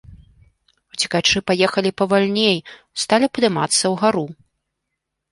Уцекачы паехалі павальней, сталі падымацца ўгару.